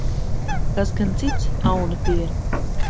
Kas gan cits, aunapiere?